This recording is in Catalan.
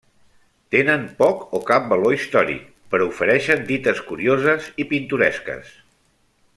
Tenen poc o cap valor històric però ofereixen dites curioses i pintoresques.